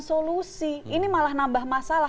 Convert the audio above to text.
solusi ini malah nambah masalah